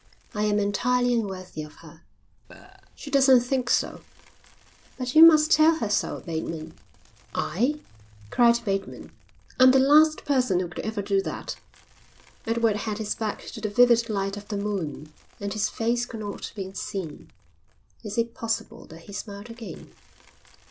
I am entirely unworthy of her." "She doesn't think so." "But you must tell her so, Bateman." "I?" cried Bateman. "I'm the last person who could ever do that." Edward had his back to the vivid light of the moon and his face could not be seen. Is it possible that he smiled again?